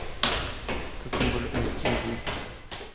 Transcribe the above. Su símbolo es yg.